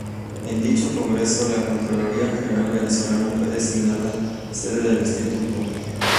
En dicho Congreso, la Contraloría General venezolana fue designada sede del Instituto.